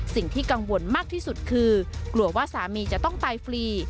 สิ่งที่กังวลมากที่สุดคือกลัวว่าสามีจะต้องตายฟรี